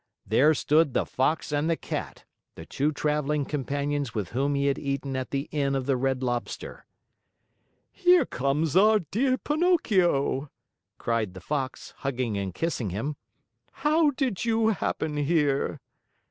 There stood the Fox and the Cat, the two traveling companions with whom he had eaten at the Inn of the Red Lobster. "Here comes our dear Pinocchio!" cried the Fox, hugging and kissing him. "How did you happen here?"